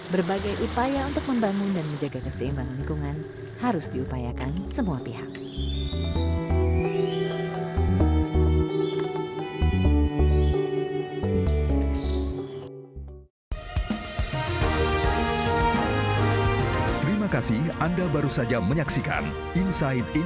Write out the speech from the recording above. berbagai upaya untuk membangun dan menjaga keseimbangan lingkungan harus diupayakan semua pihak